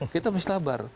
kita mesti sabar